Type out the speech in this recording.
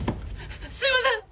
すいません！